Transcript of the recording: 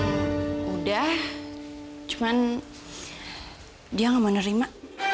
eee udah cuman dia gak mau nerima